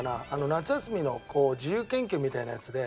夏休みの自由研究みたいなやつで。